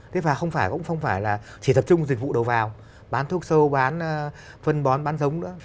thế mà không phải là chỉ tập trung dịch vụ đầu vào bán thuốc sâu bán phân bón bán giống nữa